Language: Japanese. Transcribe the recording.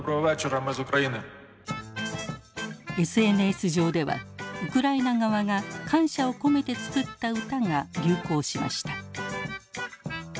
ＳＮＳ上ではウクライナ側が感謝を込めて作った歌が流行しました。